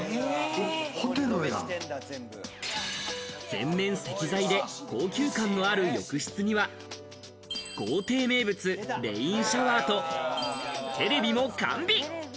全面石材で、高級感のある浴室には、豪邸名物、レインシャワーとテレビも完備。